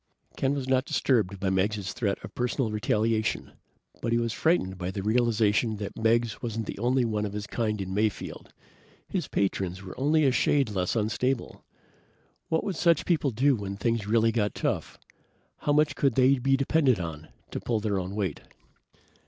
Ken was not disturbed by Meggs' threat of personal retaliation, but he was frightened by the realization that Meggs wasn't the only one of his kind in Mayfield. His patrons were only a shade less unstable. What would such people do when things really got tough? How much could they be depended on to pull their own weight?